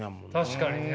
確かにね。